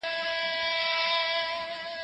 ژبه بايد له ګډوډۍ وساتل شي.